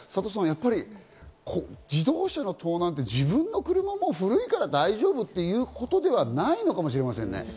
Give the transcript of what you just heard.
自動車の盗難って自分の車は古いから大丈夫ということではないのかもしれませんね。